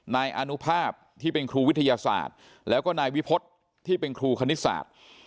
นายอนุภาพที่เป็นครูวิทยาศาสตร์แล้วก็นายวิพฤษที่เป็นครูคณิตศาสตร์